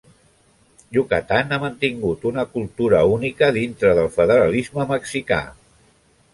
Yucatán ha mantingut una cultura única dintre del federalisme mexicà.